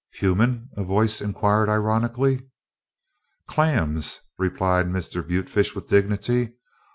"Human?" a voice inquired ironically. "Clams," replied Mr. Butefish with dignity.